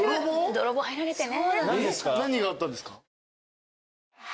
泥棒入られてね。